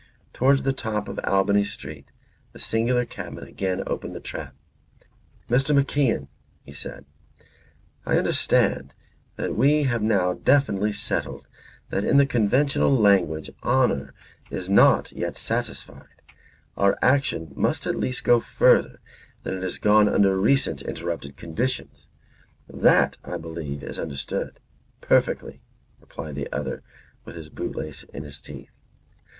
Towards the top of Albany Street the singular cabman again opened the trap. "Mr. MacIan," he said, "I understand that we have now definitely settled that in the conventional language honour is not satisfied. Our action must at least go further than it has gone under recent interrupted conditions. That, I believe, is understood." "Perfectly," replied the other with his bootlace in his teeth.